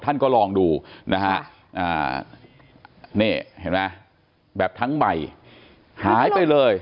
ท่านก็ลองดูนะฮะนี่เห็นไหมแบบทั้งใบหายไปเลย